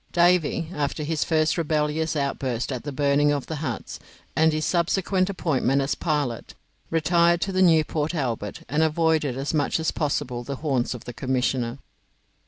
Davy, after his first rebellious outburst at the burning of the huts, and his subsequent appointment as pilot, retired to the new Port Albert and avoided as much as possible the haunts of the commissioner.